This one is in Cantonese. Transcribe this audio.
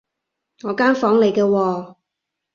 我間房嚟㗎喎